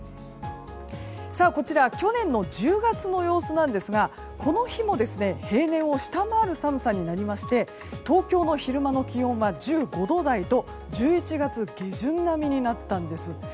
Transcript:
こちら去年の１０月の様子なんですがこの日も平年を下回る寒さになりまして東京の昼間の気温は１５度台と１１月下旬並みになったんです。